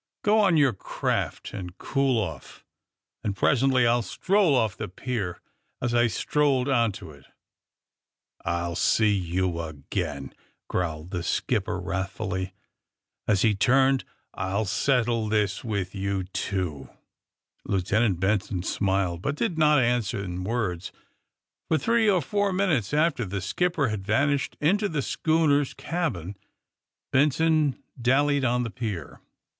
Go on your craft and cool off, and pres ently I'll stroll off the pier as I strolled on to it." *'I'll see you again!" growled the skipper wrathfuUy, as he turned. I'll settle this with you, too." Lieutenant Jack Benson smiled, but did not answer in words. For three or four minutes after the skipper had vanished into the schoon 44 THE SUBMARINE BOYS er's cabin Benson dallied on the pier.